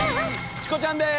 チコちゃんです。